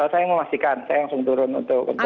saya memastikan saya langsung turun untuk kebawang atek